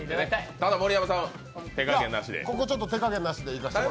ただ、盛山さん、手加減なしで。